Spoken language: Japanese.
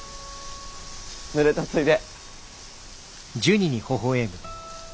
ぬれたついで。